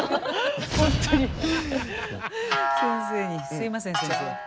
すみません先生。